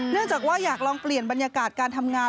จากว่าอยากลองเปลี่ยนบรรยากาศการทำงาน